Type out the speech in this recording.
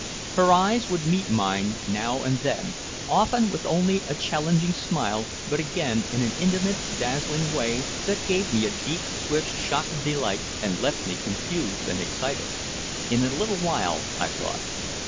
Her eyes would meet mine now and then, often with only a challenging smile but again in an intimate dazzling way that gave me a deep swift shock of delight and left me confused and excited. "In a little while," I thought.